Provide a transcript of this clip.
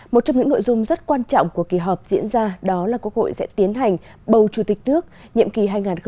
một trong những nội dung rất quan trọng của kỳ họp diễn ra đó là quốc hội sẽ tiến hành bầu chủ tịch nước nhiệm kỳ hai nghìn hai mươi một hai nghìn hai mươi sáu